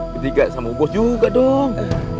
ketiga sama bos juga dong